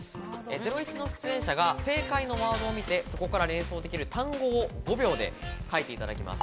『ゼロイチ』の出演者が正解のワードを見て、そこから連想できる単語を５秒で書いていただきます。